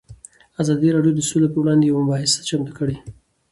ازادي راډیو د سوله پر وړاندې یوه مباحثه چمتو کړې.